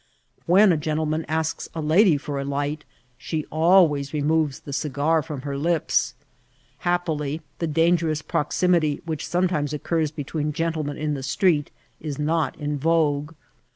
When a gen tleman asks a lady for a light, she always removes the cigar firom her lips. Happily, the dangerous proximity which sometimes occurs between gentlemen in the street 18 not in vogue.